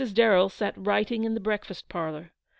Darrell sat writing in the breakfast parlour.